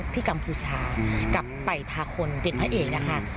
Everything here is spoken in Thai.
ที่กัมฟูชากับป่ายธาคนเสียนพระเอกนะคะ